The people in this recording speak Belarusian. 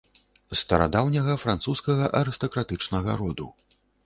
З старадаўняга французскага арыстакратычнага роду.